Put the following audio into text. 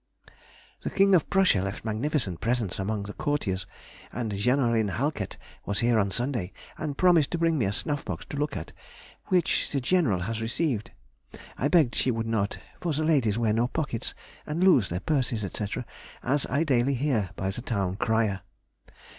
The King of Prussia left magnificent presents among the courtiers, and Generalin Halkett was here on Sunday, and promised to bring me a snuff box to look at, which the general has received. I begged she would not, for the ladies wear no pockets, and lose their purses, &c., as I daily hear by the town crier.